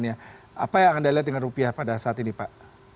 apa yang anda lihat dengan rupiah pada saat ini pak